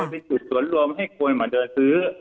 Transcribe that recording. เป็นจุดสวนรวมให้คนมาเดินซื้อ